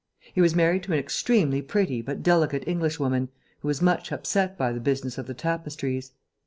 He was married to an extremely pretty but delicate Englishwoman, who was much upset by the business of the tapestries.